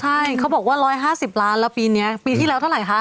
ใช่เขาบอกว่า๑๕๐ล้านแล้วปีนี้ปีที่แล้วเท่าไหร่คะ